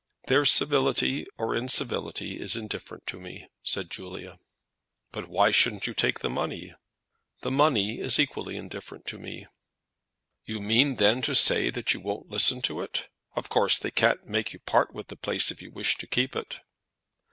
"Their civility or incivility is indifferent to me," said Julia. "But why shouldn't you take the money?" "The money is equally indifferent to me." "You mean then to say that you won't listen to it? Of course they can't make you part with the place if you wish to keep it."